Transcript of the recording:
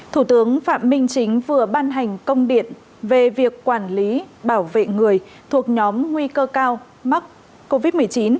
thủ tướng phạm minh chính vừa ban hành công điện về việc quản lý bảo vệ người thuộc nhóm nguy cơ cao mắc covid một mươi chín